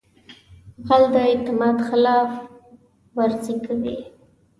غل د اعتماد خلاف ورزي کوي